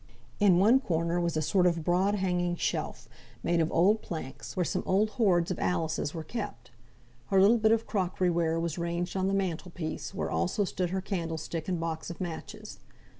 In one corner was a sort of broad hanging shelf, made of old planks, where some old hoards of Alice's were kept. Her little bit of crockery ware was ranged on the mantelpiece, where also stood her candlestick and box of matches.